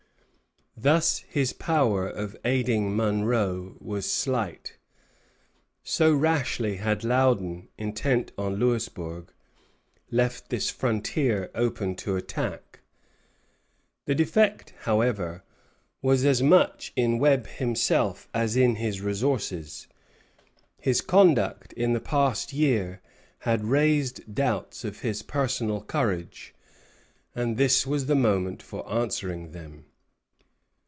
Thus his power of aiding Monro was slight, so rashly had Loudon, intent on Louisburg, left this frontier open to attack. The defect, however, was as much in Webb himself as in his resources. His conduct in the past year had raised doubts of his personal courage; and this was the moment for answering them.